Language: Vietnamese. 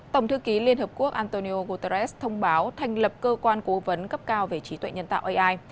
tổng thư ký liên hợp quốc antonio guterres thông báo thành lập cơ quan cố vấn cấp cao về trí tuệ nhân tạo ai